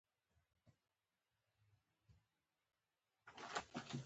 هغه ورته ګوته ونیوله